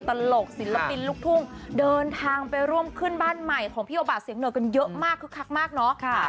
ตลกศิลปินลูกทุ่งเดินทางไปร่วมขึ้นบ้านใหม่ของพี่โอบาเสียงเหนอกันเยอะมากคึกคักมากเนาะ